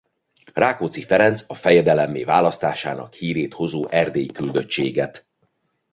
Rákóczi Ferenc a fejedelemmé választásának hírét hozó erdélyi küldöttséget.